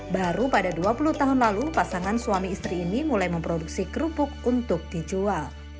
baru pada dua puluh tahun lalu pasangan suami istri ini mulai memproduksi kerupuk untuk dijual